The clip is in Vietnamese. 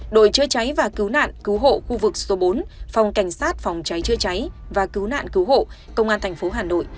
đội chữa cháy và cứu nạn cứu hộ khu vực số bốn phòng cảnh sát phòng cháy chữa cháy và cứu nạn cứu hộ công an thành phố hà nội